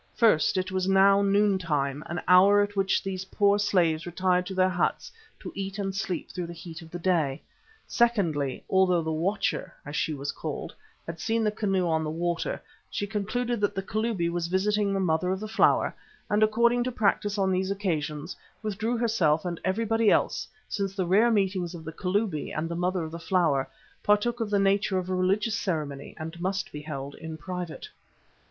First, it was now noontime, an hour at which these poor slaves retired to their huts to eat and sleep through the heat of the day. Secondly, although the "Watcher," as she was called, had seen the canoe on the water, she concluded that the Kalubi was visiting the Mother of the Flower and, according to practice on these occasions, withdrew herself and everybody else, since the rare meetings of the Kalubi and the Mother of the Flower partook of the nature of a religious ceremony and must be held in private.